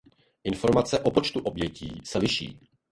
Informace o počtu obětí se liší.